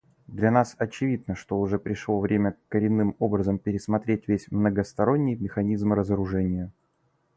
Для нас очевидно, что уже пришло время коренным образом пересмотреть весь многосторонний механизм разоружения.